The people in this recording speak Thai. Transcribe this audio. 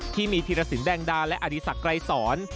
ที่มีธีรศิลป์แดงดาและอดีศักดิ์ไกรศร